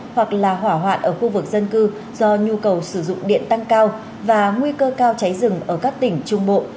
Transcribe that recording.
hoặc là hỏa hoạn ở khu vực dân cư do nhu cầu sử dụng điện tăng cao và nguy cơ cao cháy rừng ở các tỉnh trung bộ